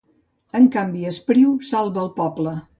En canvi Espriu salva el poble.